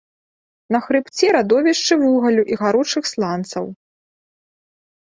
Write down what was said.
На хрыбце радовішчы вугалю і гаручых сланцаў.